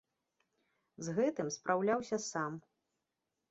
З гэтым спраўляўся сам.